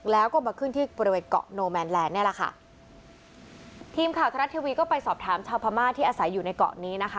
แล้วก็มาขึ้นที่บริเวณเกาะโนแมนแลนดเนี่ยแหละค่ะทีมข่าวทรัฐทีวีก็ไปสอบถามชาวพม่าที่อาศัยอยู่ในเกาะนี้นะคะ